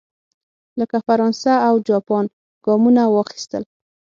لکه فرانسه او جاپان ګامونه واخیستل.